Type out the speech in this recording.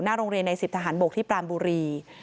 หน้าโรงเรียนในสิบทหารบกที่ปรามบุรี